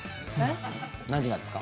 何がですか？